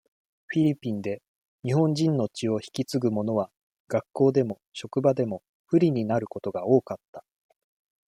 フィリピンで、日本人の血を引き継ぐものは、学校でも、職場でも、不利になることが多かった。